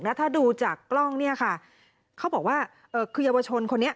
แล้วถ้าดูจากกล้องเนี่ยค่ะเขาบอกว่าเอ่อคือเยาวชนคนนี้